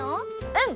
うん！